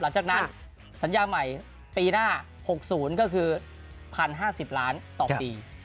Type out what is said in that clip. หลังจากนั้นสัญญาใหม่ปีหน้า๖๐ก็คือ๑๐๕๐ล้านต่อปี